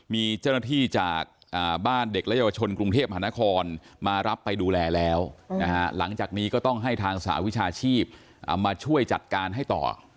มีเจ้าหน้าที่จากบ้านเด็กและเยาวชนกรุงเทพมหานครมารับไปดูแลแล้วหลังจากนี้ก็ต้องให้ทางสหวิชาชีพมาช่วยจัดการให้ต่อ